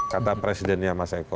kata presidennya mas eko